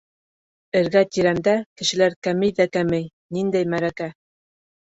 Эргә тирәмдә кешеләр кәмей ҙә кәмей, ниндәй мәрәкә.